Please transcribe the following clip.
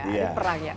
ini perang ya